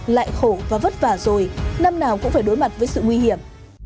lại khổ và vất vả rồi năm nào cũng phải đối mặt với sự nguy hiểm